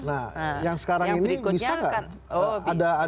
nah yang sekarang ini bisa nggak ada